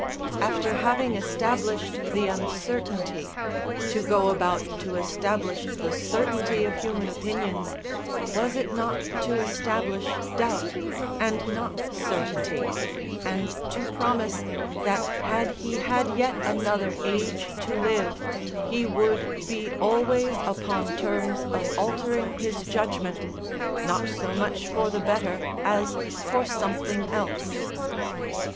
After having established the uncertainty, to go about to establish the certainty of human opinions, was it not to establish doubt, and not certainty, and to promise, that had he had yet another age to live, he would be always upon terms of altering his judgment, not so much for the better, as for something else?